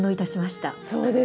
そうですね。